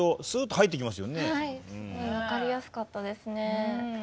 はい分かりやすかったですね。